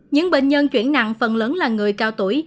những bệnh nhân chuyển nặng phần lớn là người cao tuổi